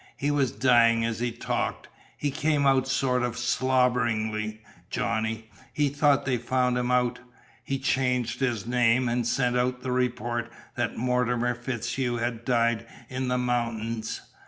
He was dyin' as he talked. It came out sort o' slobberingly, Johnny. He thought they'd found 'im out. He changed his name, an' sent out the report that Mortimer FitzHugh had died in the mount'ins.